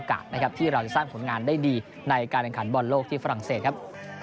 ก็จะทำให้ผลงานได้ดีในการอังคารบอลโลกที่ฝรั่งเศสครับ